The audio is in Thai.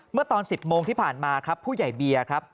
เมื่อตอน๑๐โมงที่ผ่านมาครับผู้ใหญ่เบียร์ครับ